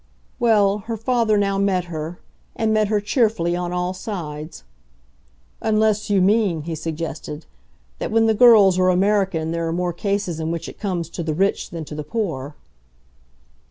Well, her father now met her, and met her cheerfully, on all sides. "Unless you mean," he suggested, "that when the girls are American there are more cases in which it comes to the rich than to the poor."